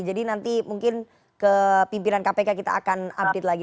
jadi nanti mungkin ke pimpinan kpk kita akan update lagi